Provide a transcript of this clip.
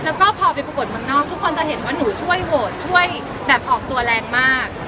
แล้วก็พอไปประกวดเมืองนอกทุกคนจะเห็นว่าหนูช่วยโหวตช่วยแบบออกตัวแรงมาก